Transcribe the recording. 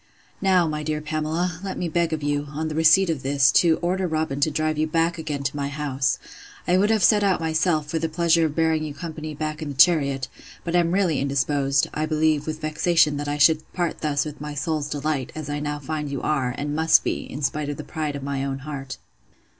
'Now, my dear Pamela, let me beg of you, on the receipt of this, to order Robin to drive you back again to my house. I would have set out myself, for the pleasure of bearing you company back in the chariot; but am really indisposed; I believe, with vexation that I should part thus with my soul's delight, as I now find you are, and must be, in spite of the pride of my own heart.